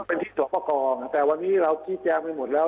เป็นที่สอบประกอบแต่วันนี้เราชี้แจงไปหมดแล้ว